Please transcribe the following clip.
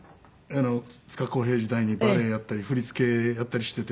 つかこうへい時代にバレエやったり振り付けやったりしてて。